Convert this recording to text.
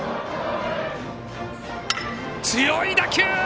強い打球！